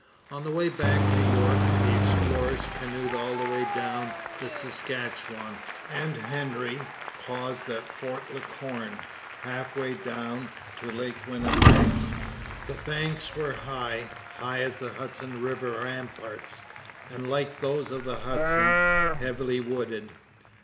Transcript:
On the way back to York, the explorers canoed all the way down the Saskatchewan, and Hendry paused at Fort La Corne, half way down to Lake Winnipeg. The banks were high, high as the Hudson river ramparts, and like those of the Hudson, heavily wooded.